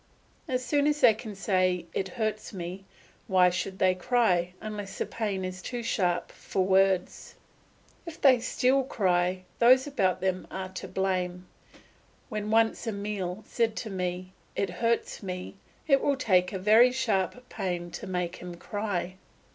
As soon as they can say "It hurts me," why should they cry, unless the pain is too sharp for words? If they still cry, those about them are to blame. When once Emile has said, "It hurts me," it will take a very sharp pain to make him cry.